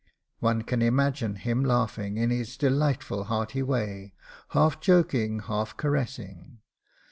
One can imagine him laughing in his delightful hearty way, half joking, half caressing.